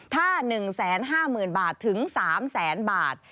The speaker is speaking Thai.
ถ้า๑๕๐๐๐บาทถึง๓แสนบาท